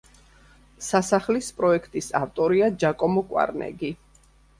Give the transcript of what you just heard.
სასახლის პროექტის ავტორია ჯაკომო კვარნეგი.